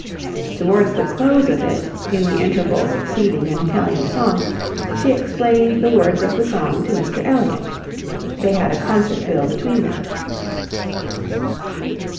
Towards the close of it, in the interval succeeding an Italian song, she explained the words of the song to Mr Elliot. They had a concert bill between them.